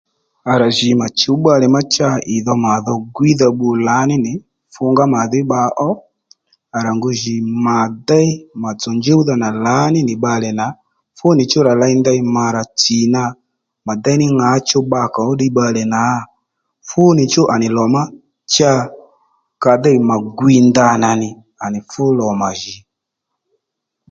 À rà jì mà chǔ bbalè má cha ì dho màdho gwiydha bbu lǎní nì fungá màdhí bba ó à rà ngu jì mà déy mà tsò njúwdha nà lǎní nì bbalè nà fúnì chú rà lèy ndey mà rà tsì mà déy ní ŋǎchú bbakǎ ó ddiy bbalè nà fúnìchú ànì lò má cha ka dêy mà gwiy ndanà nì à nì fú lò mà jì